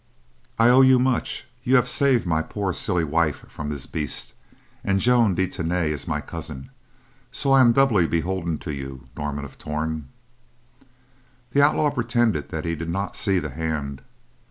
"I owe you much. You have saved my poor, silly wife from this beast, and Joan de Tany is my cousin, so I am doubly beholden to you, Norman of Torn." The outlaw pretended that he did not see the hand.